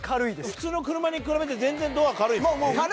普通の車に比べて全然ドア軽いんですか？